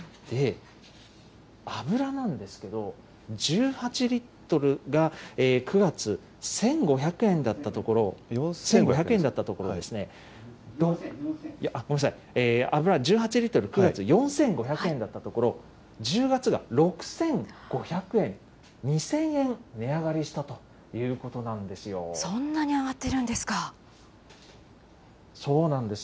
油なんですけど、１８リットルが９月、１５００円だったところ、ごめんなさい、油１８リットル、９月、４５００円だったところ、１０月が６５００円、２０００円値上がりしたということなんですよ。